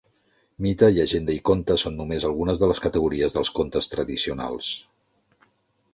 Mite, llegenda i conte són només algunes de les categories dels contes tradicionals.